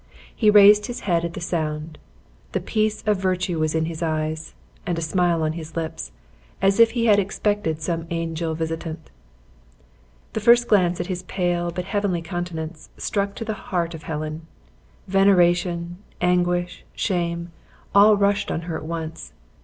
He raised his head at the sound. The peace of virtue was in his eyes, and a smile on his lips, as if he had expected some angel visitant. The first glance at his pale, but heavenly countenance struck to the heart of Helen; veneration, anguish, shame, all rushed on her at once.